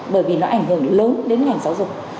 bởi vì nó ảnh hưởng lớn đến ngành giáo dục